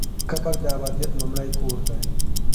قبر د ابدیت لومړی کور دی؟